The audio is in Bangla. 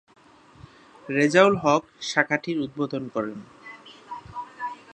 রেজাউল হক শাখাটির উদ্বোধন করেন।